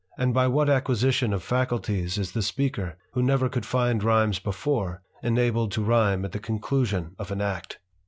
and by what acquisition of faculties is the speaker, who never could find rhymes before, enabled to rhyme at the conclusion of an act